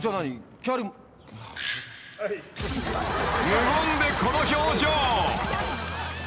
［無言でこの表情］